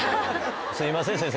すいません先生